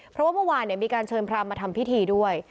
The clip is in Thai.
เพราะว่าเมื่อวานมีการเชิญพรามมาทำพิธีด้วย